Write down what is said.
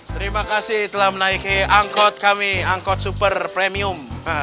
terima kasih telah menaiki angkot kami angkot super premium